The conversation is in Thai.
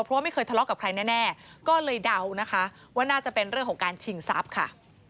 เพราะว่าไม่เคยทะเลาะกับใครแน่ก็เลยเดานะคะว่าน่าจะเป็นเรื่องของการชิงทรัพย์ค่ะ